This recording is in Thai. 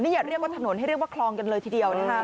อย่าเรียกถนนให้ความประโยชน์เย็นได้เลยเทียบเลยนะคะ